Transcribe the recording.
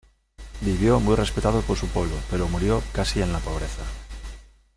Vivió muy respetado por su pueblo, pero murió casi en la pobreza.